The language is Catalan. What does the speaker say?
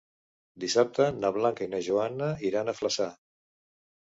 Dissabte na Blanca i na Joana iran a Flaçà.